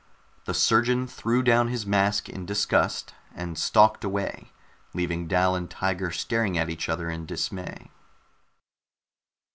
The surgeon threw down his mask in disgust and stalked away, leaving Dal and Tiger staring at each other in dismay.